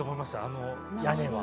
あの屋根は。